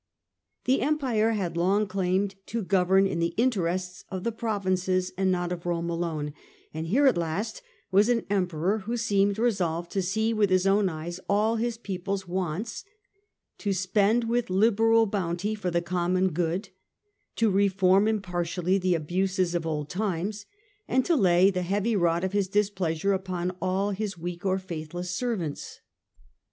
The empire had long claimed to govern in the interests of the provinces, and not of Rome alone, and here at last was an Emperor who seemed resolved to see with his own eyes all his people's wants, to spend with liberal bounty for the common good, to reform impartially the abuses of old times, and lay the heavy rod of his dis pleasure upon all his weak or faithless servants.